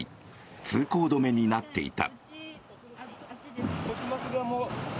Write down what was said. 通行止めになっていた。